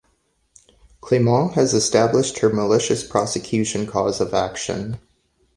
Claimant has established her malicious prosecution cause of action.